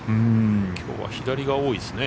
きょうは左が多いですね。